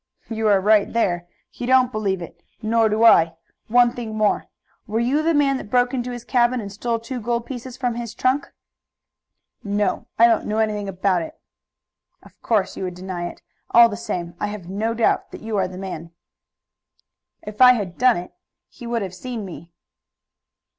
"You are right there. He don't believe it, nor do I. One thing more were you the man that broke into his cabin and stole two gold pieces from his trunk?" "No. I don't know anything about it." "Of course you would deny it. All the same I have no doubt that you were the man." "If I had done it he would have seen me."